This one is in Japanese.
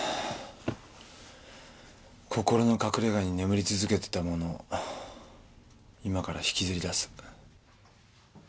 心の隠れがに眠り続けてたものを今から引きずり出す。